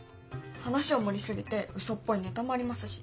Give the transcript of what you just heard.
話を盛り過ぎてうそっぽいネタもありますし。